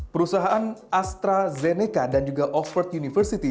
perusahaan astrazeneca dan juga over university